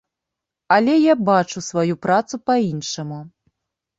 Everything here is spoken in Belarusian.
Але я бачу сваю працу па-іншаму.